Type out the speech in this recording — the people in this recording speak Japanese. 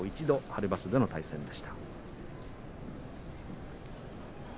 春場所での対戦でした。